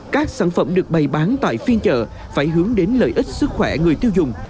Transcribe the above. các sản phẩm được bày bán tại phiên chợ phải hướng đến lợi ích sức khỏe người tiêu dùng